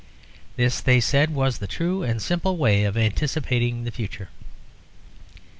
This, they said, was the true and simple way of anticipating the future.